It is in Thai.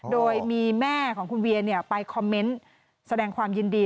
โดยมีแม่ของคุณเวียไปคอมเมนต์แสดงความยินดี